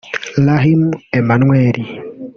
Rahm Emanuel